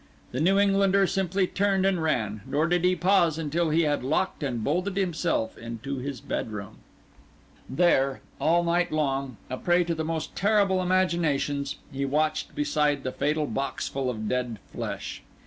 The New Englander simply turned and ran, nor did he pause until he had locked and bolted himself into his bedroom. There, all night long, a prey to the most terrible imaginations, he watched beside the fatal boxful of dead flesh.